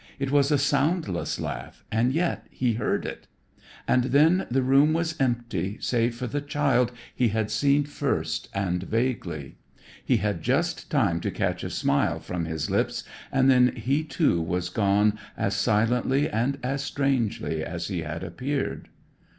It was a soundless laugh, and yet he heard it. And then the room was empty save for the child he had seen first and vaguely. He had just time to catch a smile from his lips and then he, too, was gone as silently and as strangely as he had appeared.